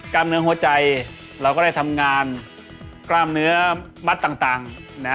เนื้อหัวใจเราก็ได้ทำงานกล้ามเนื้อมัดต่าง